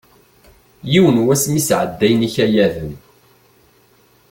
Yiwen wass mi sɛeddayen ikayaden.